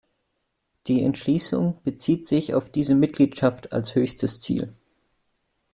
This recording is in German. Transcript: Die Entschließung bezieht sich auf diese Mitgliedschaft als höchstes Ziel.